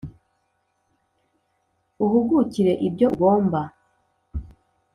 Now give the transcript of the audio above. uhugukire ibyo ugomba